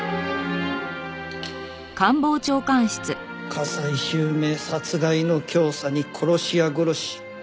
加西周明殺害の教唆に殺し屋殺し。